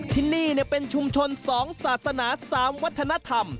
ที่นี่เป็นชุมชน๒ศาสนา๓วัฒนธรรม